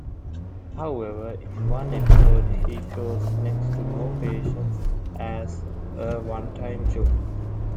However, in one episode, he shows next to no patience as a one-time joke.